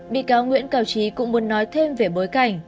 bị cáo nguyễn cao trí cũng muốn nói thêm về bối cảnh